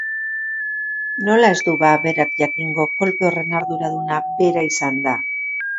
Nola ez du ba berak jakingo, kolpe horren arduraduna bera izanda?